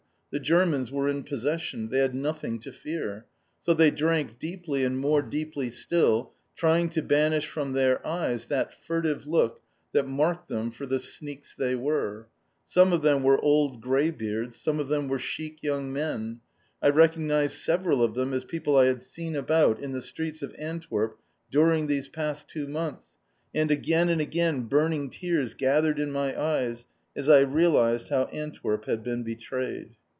The Germans were in possession. They had nothing to fear. So they drank deeply and more deeply still, trying to banish from their eyes that furtive look that marked them for the sneaks they were. Some of them were old greybeards, some of them were chic young men. I recognised several of them as people I had seen about in the streets of Antwerp during those past two months, and again and again burning tears gathered in my eyes as I realised how Antwerp had been betrayed.